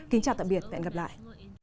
kính chào tạm biệt và hẹn gặp lại